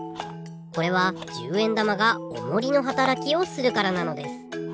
これは１０円玉がおもりのはたらきをするからなのです。